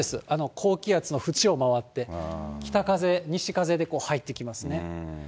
高気圧のふちを回って、北風、西風で入ってきますね。